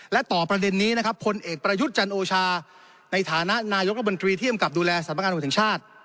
และต่อประเด็นนี้นะครับคนเอกประยุทธ์จันทร์โอชาในฐานะนายกละบันทรีที่ยังกับดูแลสัตว์ประการบนถึงชาติ